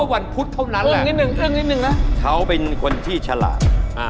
วันพุธครับ